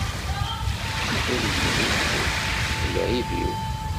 D tiffinyent i d lεib-iw.